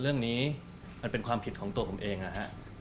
เรื่องนี้มันเป็นความผิดของตัวผมเองนะฮะ